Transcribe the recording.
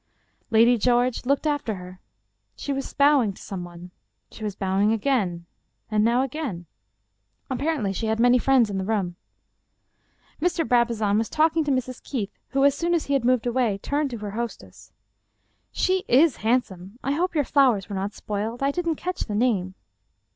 Lady George looked after her. She was bowing to some one. She was bowing again — and now again. Apparently she had many friends in the room. Mr. Brabazon was talking to Mrs. Keith, who as soon as he had moved away turned to her hostess. " She is handsome. I hope your flowers were not spoiled. I didn't catch the name."